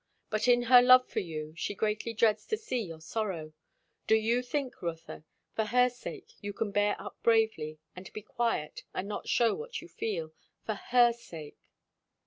But in her love for you, she greatly dreads to see your sorrow. Do you think, Rotha, for her sake, you can bear up bravely, and be quiet, and not shew what you feel? For her sake?"